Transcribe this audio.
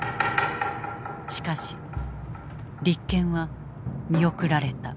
しかし立件は見送られた。